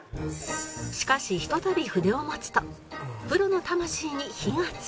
しかしひとたび筆を持つとプロの魂に火がつき